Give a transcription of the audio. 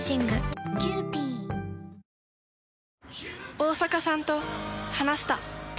大坂さんと話した。